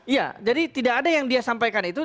iya jadi tidak ada yang dia sampaikan itu